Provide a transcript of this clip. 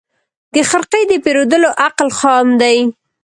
د خرقې د پېرودلو عقل خام دی